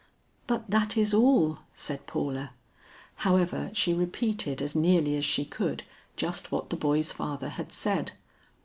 "But that is all," said Paula. However she repeated as nearly as she could just what the boy's father had said.